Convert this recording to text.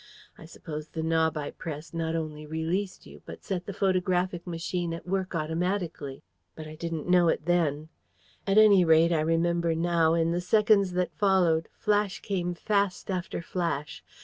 I suppose the knob I pressed not only released you, but set the photographic machine at work automatically. But I didn't know it then. At any rate, I remember now, in the seconds that followed, flash came fast after flash.